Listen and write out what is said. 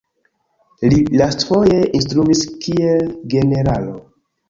Li lastfoje instruis kiel generalo.